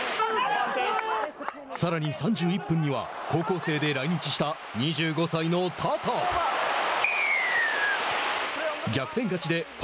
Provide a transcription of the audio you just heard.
さらに３１分には高校生で来日した２５歳のタタフ。